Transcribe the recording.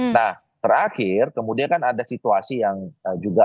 nah terakhir kemudian kan ada situasi yang juga